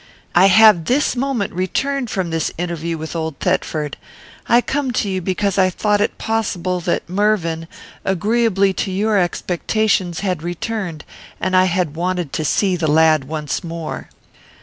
"I have this moment returned from this interview with old Thetford. I come to you, because I thought it possible that Mervyn, agreeably to your expectations, had returned, and I wanted to see the lad once more.